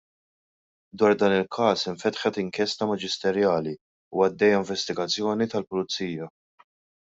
Dwar dan il-każ infetħet inkjesta maġisterjali u għaddejja investigazzjoni tal-Pulizija.